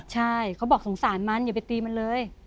ใช่เขาบอกสงสารมันอย่าไปตีมันเลย